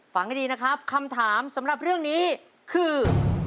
ฟังให้ดีนะครับคำถามสำหรับเรื่องนี้คือ